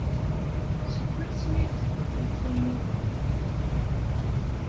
Seg wansi ay d-tewwimt umuɣ-a?